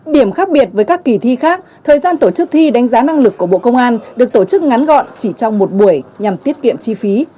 điểm khác biệt với các kỳ thi khác thời gian tổ chức thi đánh giá năng lực của bộ công an được tổ chức ngắn gọn chỉ trong một buổi nhằm tiết kiệm chi phí